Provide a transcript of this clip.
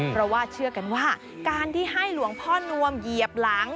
เพราะว่าเชื่อกันว่าการที่ให้หลวงพ่อนวมเหยียบหลัง